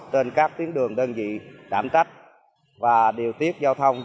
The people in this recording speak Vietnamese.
trên các tuyến đường đơn vị đảm tách và điều tiết giao thông